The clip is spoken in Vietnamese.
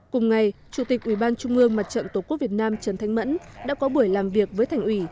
cùng ngày chủ tịch ubnd mặt trận tổ quốc việt nam trần thanh mẫn đã có buổi làm việc với thành ủy